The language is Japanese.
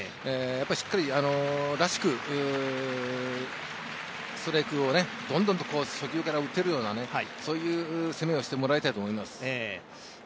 しっかりらしくストライクをどんどんと初球から打てるような攻めをしてもらいたいと思います。